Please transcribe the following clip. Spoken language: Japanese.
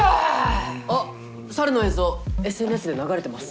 あっ猿の映像ＳＮＳで流れてます。